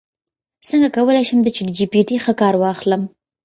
څنګه کولی شم د چیټ جی پي ټي ښه کار واخلم